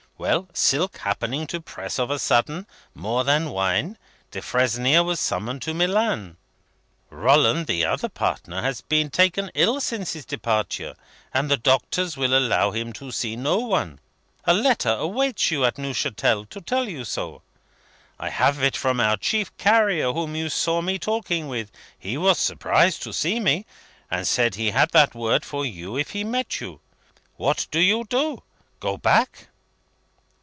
Well, Silk happening to press of a sudden, more than Wine, Defresnier was summoned to Milan. Rolland, the other partner, has been taken ill since his departure, and the doctors will allow him to see no one. A letter awaits you at Neuchatel to tell you so. I have it from our chief carrier whom you saw me talking with. He was surprised to see me, and said he had that word for you if he met you. What do you do? Go back?"